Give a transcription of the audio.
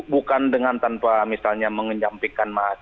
bukan dengan tanpa misalnya mengejampikan mas